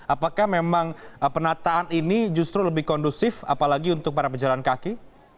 apakah memang penataan ini justru lebih kondusif apalagi untuk para pejalan kaki